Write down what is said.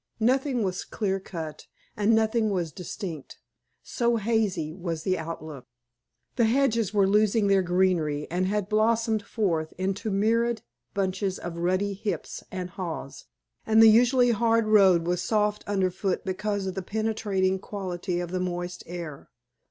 Nothing was clear cut and nothing was distinct, so hazy was the outlook. The hedges were losing their greenery and had blossomed forth into myriad bunches of ruddy hips and haws, and the usually hard road was soft underfoot because of the penetrating quality of the moist air.